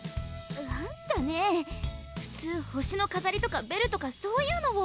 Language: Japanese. あんたねぇ普通星の飾りとかベルとかそういうのを。